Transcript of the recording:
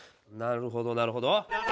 なるほどなるほど。